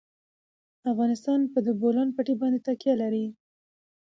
افغانستان په د بولان پټي باندې تکیه لري.